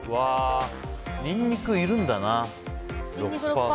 ニンニク、いるんだな。